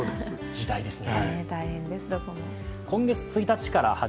時代ですね。